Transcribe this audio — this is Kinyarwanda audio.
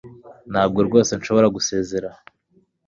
Ntabwo rwose nshobora gusezerana